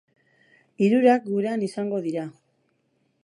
Hirurak gurean izango dira.